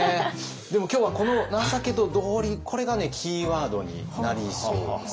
でも今日はこのこれがキーワードになりそうです。